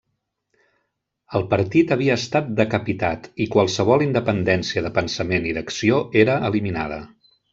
El partit havia estat decapitat i qualsevol independència de pensament i d'acció era eliminada.